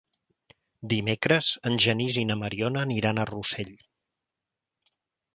Dimecres en Genís i na Mariona aniran a Rossell.